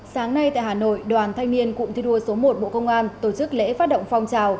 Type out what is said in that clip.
sáng nay tại hà nội đoàn thanh niên cụm thi đua số một bộ công an tổ chức lễ phát động phong trào